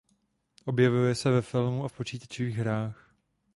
Objevuje se ve filmu a v počítačových hrách.